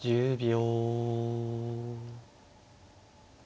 １０秒。